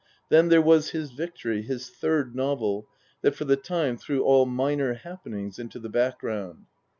Then there was his victory, his Third Novel, that for the time threw all minor happenings into the background.